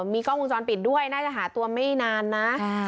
มีกล้องวงจรปิดด้วยน่าจะหาตัวไม่นานนะ